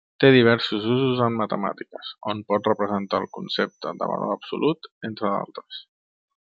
Té diversos usos en matemàtiques, on pot representar el concepte de valor absolut, entre altres.